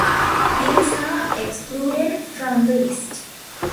These are excluded from the list.